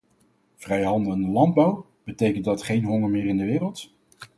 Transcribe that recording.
Vrije handel in de landbouw betekent dat geen honger meer in de wereld.